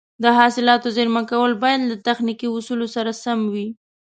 د حاصلاتو زېرمه کول باید له تخنیکي اصولو سره سم وي.